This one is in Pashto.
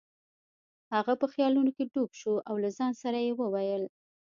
هغه په خیالونو کې ډوب شو او له ځان سره یې وویل.